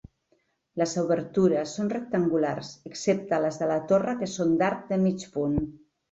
Les obertures són rectangulars excepte les de la torre que són d'arc de mig punt.